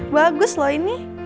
bagus loh ini